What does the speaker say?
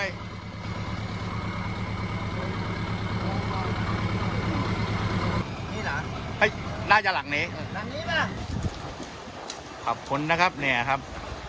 นี่เหรอน่าจะหลังนี้หลังนี้ไหมล่ะขอบคุณนะครับเนี่ยครับ